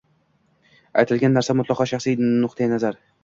Aytilgan narsa mutlaqo shaxsiy nuqtai nazar